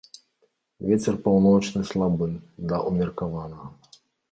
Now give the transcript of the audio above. Вецер паўночны слабы да ўмеркаванага.